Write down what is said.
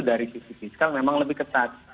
dari sisi fiskal memang lebih ketat